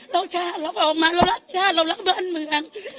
เราชาติเราก็ออกมาเรารักชาติเรารักบ้านเมือง